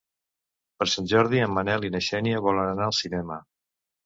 Per Sant Jordi en Manel i na Xènia volen anar al cinema.